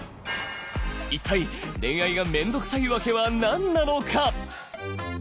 一体恋愛がめんどくさいワケは何なのか？